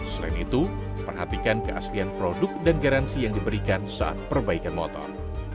selain itu perhatikan keaslian produk dan garansi yang diberikan saat perbaikan motor